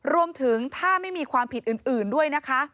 รวมถึงถ้าไม่มีความผิดอื่นด้วยนะคะ